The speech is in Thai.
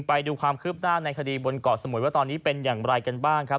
ไปดูความคืบหน้าในคดีบนเกาะสมุยว่าตอนนี้เป็นอย่างไรกันบ้างครับ